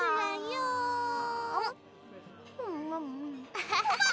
アハハッ！